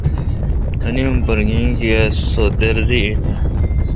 اُ نی اُم پرکیا سُودرزی این آں؟